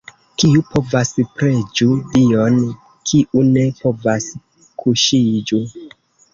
Kiu povas, preĝu Dion, kiu ne povas, kuŝiĝu!